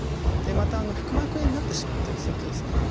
また腹膜炎になってしまったりするとですね